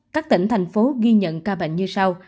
các tỉnh thành phố ghi nhận ca bệnh như sau